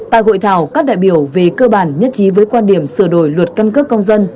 tại hội thảo các đại biểu về cơ bản nhất trí với quan điểm sửa đổi luật căn cước công dân